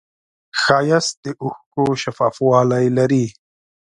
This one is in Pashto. ښایست د اوښکو شفافوالی لري